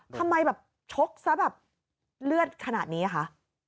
ทำไมแบบชกซะแบบเลือดขนาดนี้คะ